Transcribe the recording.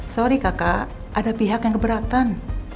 sorry kakak ada pihak yang keberatan